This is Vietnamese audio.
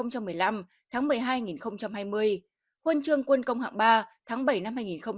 huân chương quân công hạng ba tháng bảy năm hai nghìn một mươi một